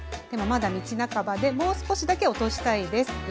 でもまだ道半ばでもう少しだけ落としたいです。